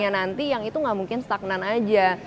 nanti yang itu gak mungkin stagnan aja